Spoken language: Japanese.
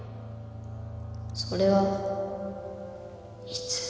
それはいつ？